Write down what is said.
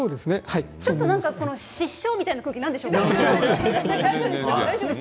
ちょっと失笑みたいな空気、なんでしょうか？